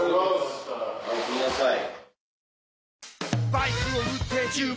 おやすみなさい。